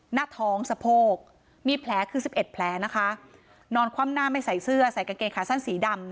หน้าท้องสะโพกมีแผลคือสิบเอ็ดแผลนะคะนอนคว่ำหน้าไม่ใส่เสื้อใส่กางเกงขาสั้นสีดำ